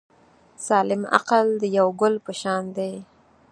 سالم عقل د یو ګل په شان دی.